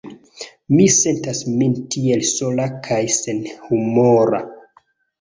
Mi sentas min tiel sola kaj senhumora."